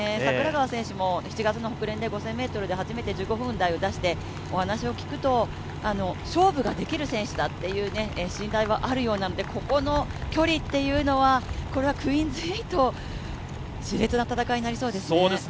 櫻川選手も昨年の試合で５０００ｍで初めて１５分台を出してお話を聞くと勝負ができる選手だという信頼はあるようなので、ここの距離というのはクイーンズ８し烈な戦いになりそうですね。